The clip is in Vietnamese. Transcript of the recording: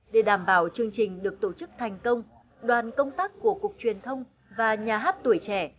để đảm bảo chương trình được tổ chức thành công đoàn công tác của cục truyền thông và nhà hát tuổi trẻ